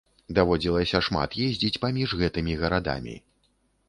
Даводзілася шмат ездзіць паміж гэтымі гарадамі.